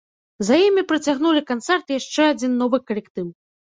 За імі працягнулі канцэрт яшчэ адзін новы калектыў.